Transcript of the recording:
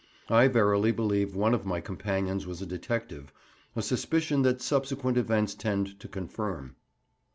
I verily believe one of my companions was a detective, a suspicion that subsequent events tend to confirm.